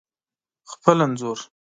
خپل انځور